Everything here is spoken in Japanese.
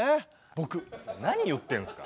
何言ってんですか。